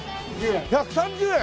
１３０円。